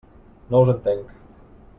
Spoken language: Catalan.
No us entenc.